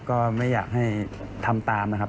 ก็ไม่อยากให้ทำตามนะครับ